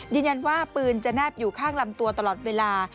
ยืนยันว่าปืนจะแนบอยู่ข้างลำตัวตลอดเวลา